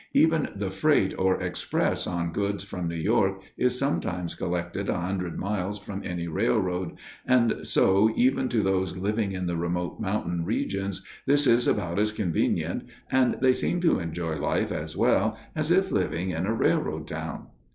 Even the freight or express on goods from New York is sometimes collected a hundred miles from any railroad, and so even to those living in the remote mountain regions, this is about as convenient, and they seem to enjoy life as well as if living in a railroad town.